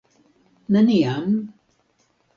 Neniam.